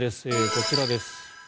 こちらです。